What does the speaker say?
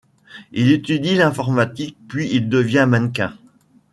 Il étudie l'informatique puis il devient mannequin.